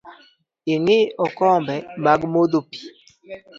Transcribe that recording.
Ingi okombe mag modho pi?